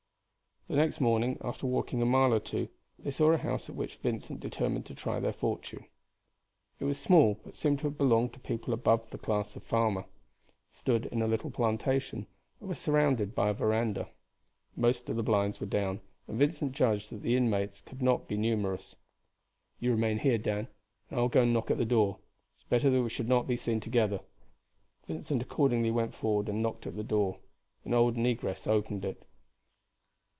The next morning, after walking a mile or two, they saw a house at which Vincent determined to try their fortune. It was small, but seemed to have belonged to people above the class of farmer. It stood in a little plantation, and was surrounded by a veranda. Most of the blinds were down, and Vincent judged that the inmates could not be numerous. "You remain here, Dan, and I will go and knock at the door. It is better that we should not be seen together." Vincent accordingly went forward and knocked at the door. An old negress opened it.